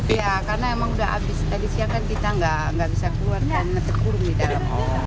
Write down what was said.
iya karena emang udah habis tadi siang kan kita nggak bisa keluar karena tepung di dalam